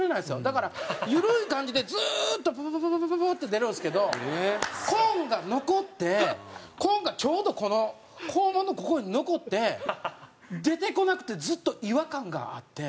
だから緩い感じでずーっとポポポポポポポポって出るんですけどコーンが残ってコーンがちょうどこの肛門のここに残って出てこなくてずっと違和感があって。